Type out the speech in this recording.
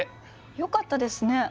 よかったですね。